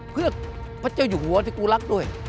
เพื่อพระเจ้าอยู่หัวที่กูรักด้วย